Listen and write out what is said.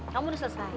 kamu udah selesai